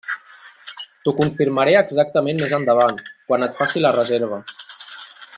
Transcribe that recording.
T'ho confirmaré exactament més endavant, quan et faci la reserva.